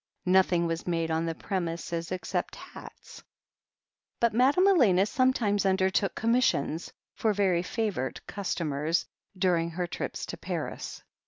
Nothing was made on the premises except hats, but Madame Elena sometimes undertook commissions, for very favoured customers, during her trips to Paris.